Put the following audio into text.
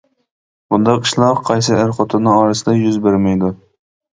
بۇنداق ئىشلار قايسى ئەر-خوتۇننىڭ ئارىسىدا يۈز بەرمەيدۇ.